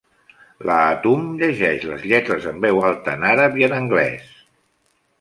La Hatoum llegeix les lletres en veu alta en àrab i en anglès.